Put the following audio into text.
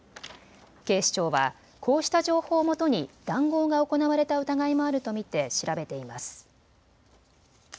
警視庁はこうした情報をもとに談合が行われた疑いもあると見て調べています。